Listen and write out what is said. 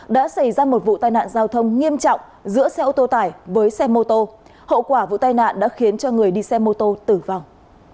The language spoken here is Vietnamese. đã xảy ra một vụ tai nạn giao thông nghiêm trọng giữa xe ô tô tải với xe mô tô hậu quả vụ tai nạn đã khiến cho người đi xe mô tô tử vong